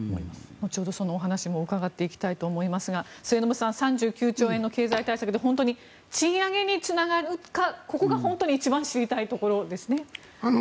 後ほど、そのお話も伺っていきたいと思いますが３９兆円の経済対策で本当に賃上げにつながるかが一番知りたいところですね。